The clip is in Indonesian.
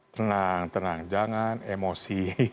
tenang tenang jangan emosi